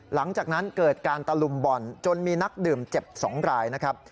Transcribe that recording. หลังจากนั้นเกิดการตะลุมบ่อนจนมีนักดื่มเจ็บ๒รายนะครับ